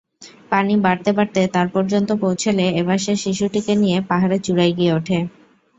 পানি বাড়তে বাড়তে তার পর্যন্ত পৌঁছুলে এবার সে শিশুটিকে নিয়ে পাহাড়ের চূড়ায় গিয়ে ওঠে।